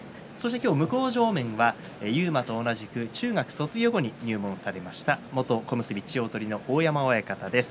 向正面は勇磨と同じく中学卒業後に入門されました元小結千代鳳の大山親方です。